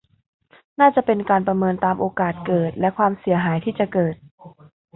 น่าจะเป็นการประเมินตามโอกาสเกิดและความเสียหายที่จะเกิด